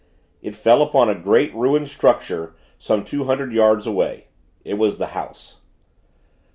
It fell upon a great, ruined structure, some two hundred yards away. It was the house.